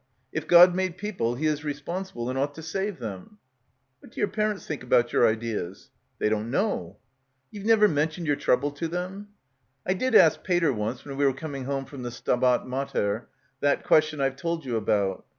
If God made people he is responsible and ought to save them." "What do yer parents think about yer ideas?" "They don't know." "Ye've never mentioned yer trouble to them?" "I did ask Pater once when we were coming home from the Stabat Mater that question Pve told you about."